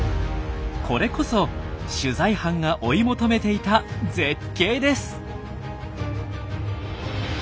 これこそ取材班が追い求めていた絶景です！